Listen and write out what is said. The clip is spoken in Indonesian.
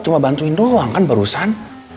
cuma bantuin doang kan barusan